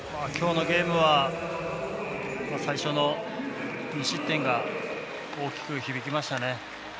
今日のゲームは最初の２失点が大きく響きましたね。